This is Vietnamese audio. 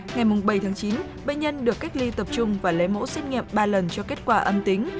ngày bảy tháng chín bệnh nhân được cách ly tập trung và lấy mẫu tiết nghiệm lần ba cho kết quả âm tính